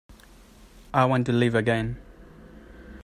I want to live again.